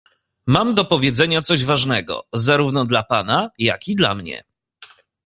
"Mam do powiedzenia coś ważnego, zarówno dla pana, jak i dla mnie“."